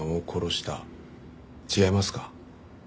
違いますか？